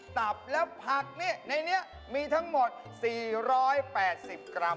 ตับแล้วผักในนี้มีทั้งหมด๔๘๐กรัม